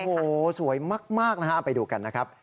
โอ้ฮูสวยมากนะฮะ